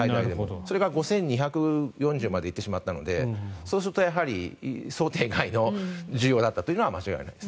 それが５２４０まで行ってしまったのでそうすると、想定外の需要だったというのは間違いない。